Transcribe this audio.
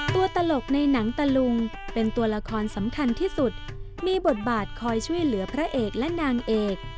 ตลกในหนังตะลุงเป็นตัวละครสำคัญที่สุดมีบทบาทคอยช่วยเหลือพระเอกและนางเอก